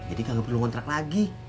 jadi gak perlu ngontrak lagi